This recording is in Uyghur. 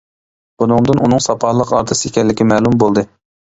بۇنىڭدىن ئۇنىڭ ساپالىق ئارتىس ئىكەنلىكى مەلۇم بولدى.